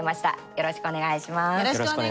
よろしくお願いします。